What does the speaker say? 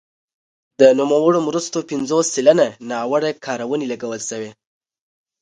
د نوموړو مرستو پنځوس سلنه ناوړه کارونې لګول شوي.